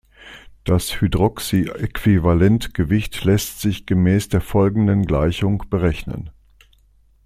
Das Hydroxy-Äquivalentgewicht lässt sich gemäß der folgenden Gleichung berechnen.